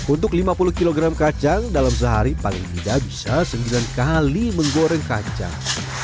untuk lima puluh kg kacang dalam sehari paling tidak bisa sembilan kali menggoreng kacang